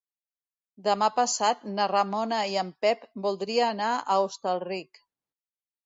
Demà passat na Ramona i en Pep voldria anar a Hostalric.